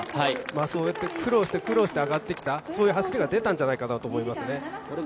そうやって苦労して、苦労して上がってきたそういう走りが出たんじゃないでしょうか。